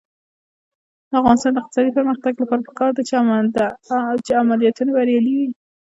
د افغانستان د اقتصادي پرمختګ لپاره پکار ده چې عملیاتونه بریالي وي.